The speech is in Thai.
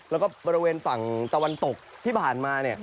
แล้วก็บริเวณฝั่งตะวันตกที่ผ่านมา